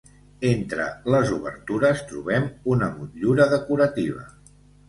Entre les obertures trobem una motllura decorativa.